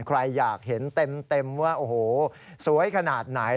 ใครอยากเห็นเต็มว่าโอ้โหสวยขนาดไหน